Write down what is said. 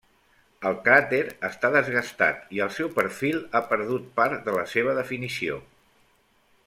El cràter està desgastat, i el seu perfil ha perdut part de la seva definició.